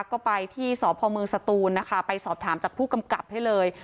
ก็ไปที่สพเมืองสตูนนะคะไปสอบถามจากผู้กำกับให้เลย